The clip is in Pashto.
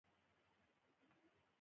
د زورورو اوبه د پولې په هغه پېچومي خېژي